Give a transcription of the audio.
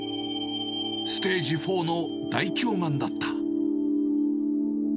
ステージ４の大腸がんだった。